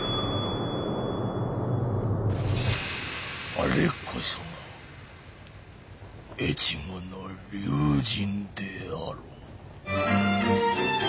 あれこそが越後の龍神であろう。